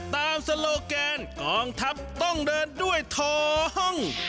สโลแกนกองทัพต้องเดินด้วยท้อง